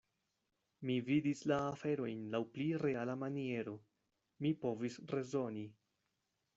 Mi vidis la aferojn laŭ pli reala maniero; mi povis rezoni.